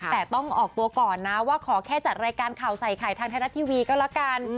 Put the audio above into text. แต่ต้องออกตัวก่อนนะว่าขอแค่จัดรายการข่าวใส่ไข่ทางไทยรัฐทีวีก็แล้วกัน